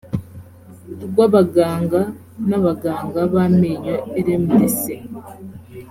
rw abaganga n abaganga b amenyo rmdc